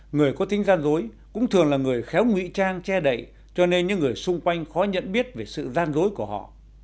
người có tính gian dối cũng thường là người khéo ngụy trang che đậy cho nên những người xung quanh khó nhận biết về sự gian dối của họ